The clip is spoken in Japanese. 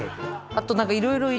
あと。